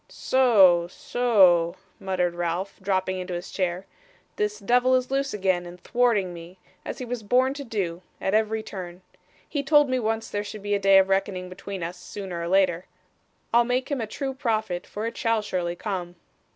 'So, so,' muttered Ralph, dropping into his chair; 'this devil is loose again, and thwarting me, as he was born to do, at every turn. He told me once there should be a day of reckoning between us, sooner or later. I'll make him a true prophet, for it shall surely come.